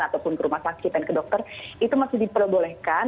ataupun ke rumah sakit dan ke dokter itu masih diperbolehkan